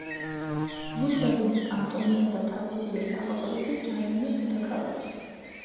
ლუცერნის კანტონისა და თავისივე სახელწოდების რაიონის დედაქალაქი.